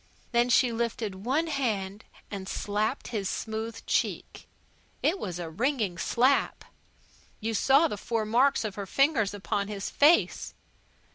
Then she lifted one hand and slapped his smooth cheek. It was a ringing slap. You saw the four marks of her fingers upon his face.